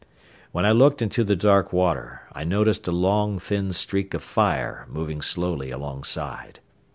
While I looked into the dark water I noticed a long thin streak of fire moving slowly alongside.